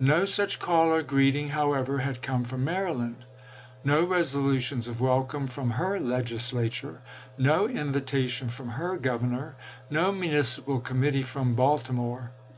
No such call or greeting, how ever, had come from Maryland ; no resolutions of welcome from her Legislature, no invitation from her Governor, no municipal committee from Balti more.